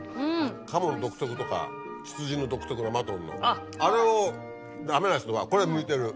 鴨の独特とか羊の独特なマトンのあれをダメな人はこれ向いてる。